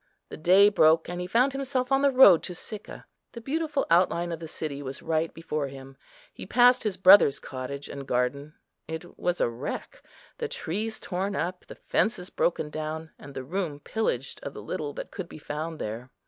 The day broke, and he found himself on the road to Sicca. The beautiful outline of the city was right before him. He passed his brother's cottage and garden; it was a wreck. The trees torn up, the fences broken down, and the room pillaged of the little that could be found there.